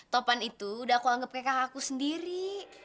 topan itu udah aku anggap kayak kakakku sendiri